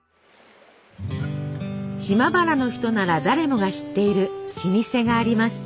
島原の人なら誰もが知っている老舗があります。